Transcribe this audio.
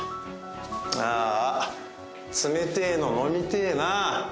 ああ冷てえの飲みてえなあ。